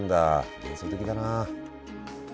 幻想的だな。